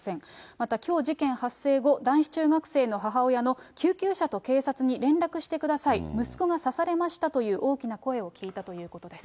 またきょう事件発生後、男子中学生の母親の、救急車と警察に連絡してください、息子が刺されましたという大きな声を聞いたということです。